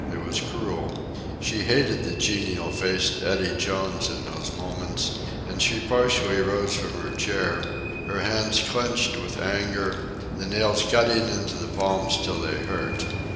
It was cruel. She hated the genial faced Eddy Jones in those moments, and she partly rose from her chair, her hands clenched with anger, the nails cutting into the palms till they hurt.